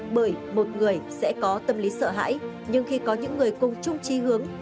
bởi một người sẽ có tâm lý sợ hãi nhưng khi có những người cùng chung chi hướng